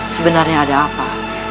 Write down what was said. sebenarnya ada apa